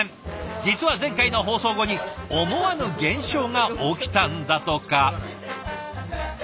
実は前回の放送後に思わぬ現象が起きたんだとか。